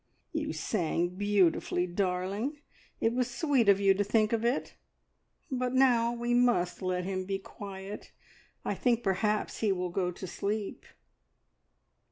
"You sang beautifully, darling. It was sweet of you to think of it, but now we must let him be quiet. I think perhaps he will go to sleep."